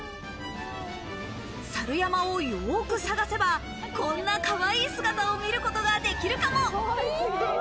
さる山をよく探せば、こんなかわいい姿を見ることができるかも？